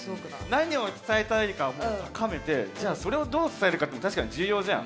何を伝えたいかもう高めてじゃあそれをどう伝えるかっていうのも確かに重要じゃん。